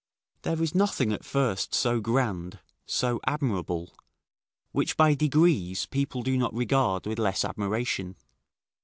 ["There is nothing at first so grand, so admirable, which by degrees people do not regard with less admiration."